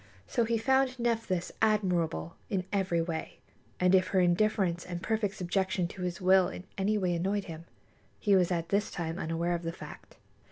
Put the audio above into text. So he found Nephthys admirable in every way; and if her indifference and perfect subjection to his will in any way annoyed him, he was at this time unaware of the fact.